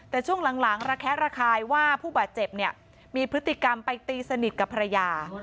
แต่ช่วงหลังระแคะระคายว่าผู้บาดเจ็บเนี่ยมีพฤติกรรมไปตีสนิทกับภรรยา